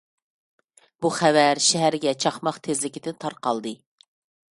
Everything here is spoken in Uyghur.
بۇ خەۋەر شەھەرگە چاقماق تېزلىكىدە تارقالدى.